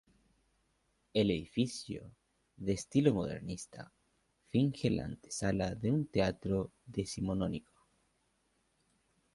El edificio, de estilo modernista, finge la antesala de un teatro decimonónico.